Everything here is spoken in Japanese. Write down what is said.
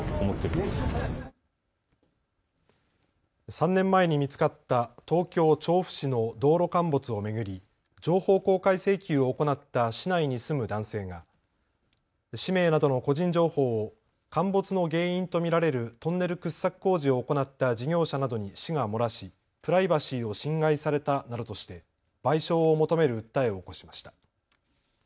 ３年前に見つかった東京調布市の道路陥没を巡り、情報公開請求を行った市内に住む男性が氏名などの個人情報を陥没の原因と見られるトンネル掘削工事を行った事業者などに市が漏らしプライバシーを侵害されたなどとして賠償を求める訴えを起こしました。